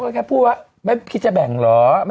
พ่อเขาก็แค่พูดว่าไม่คิดจะแบ่งหรอ